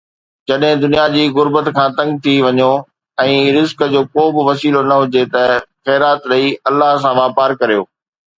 جڏهن دنيا جي غربت کان تنگ ٿي وڃو ۽ رزق جو ڪو به وسيلو نه هجي ته خيرات ڏئي الله سان واپار ڪريو.